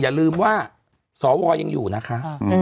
อย่าลืมว่าสวยังอยู่นะคะ